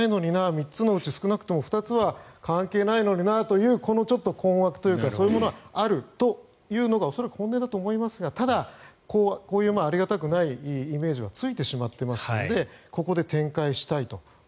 ３つのうち少なくとも２つは関係ないのになという困惑というか恐らくそういうものがあるというのが恐らく本音だと思いますがただ、こういうありがたくないイメージがついてしまってますのでここで展開したいと。